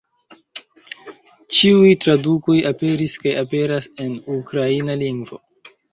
Ĉiuj tradukoj aperis kaj aperas en ukraina lingvo.